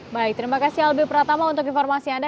baik terima kasih albi pratama untuk informasi anda